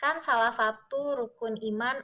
kan salah satu rukun iman